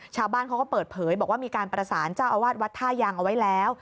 ชาวบ้านเขาก็เปิดเผยบอกว่ามีการประสานเจ้าอาวาสวัดท่ายางเอาไว้แล้ว